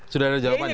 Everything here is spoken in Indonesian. sudah ada jawabannya